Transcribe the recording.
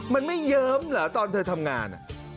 มันไม่เยิ้มเหรอตอนเธอทำงาน